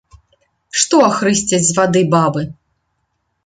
Што ахрысцяць з вады бабы.